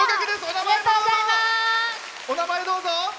お名前をどうぞ。